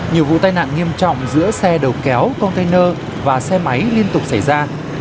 nhiều vụ tai nạn nghiêm trọng giữa xe đầu kéo container và xe máy liên tục xảy ra